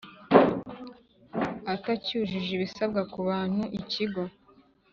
atacyujuje ibisabwa ku bantu Ikigo